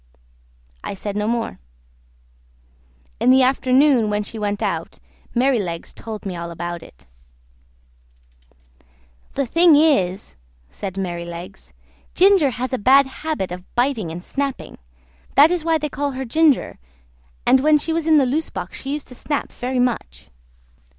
I said no more. In the afternoon, when she went out, Merrylegs told me all about it. "The thing is this," said Merrylegs. "Ginger has a bad habit of biting and snapping; that is why they call her Ginger, and when she was in the loose box she used to snap very much.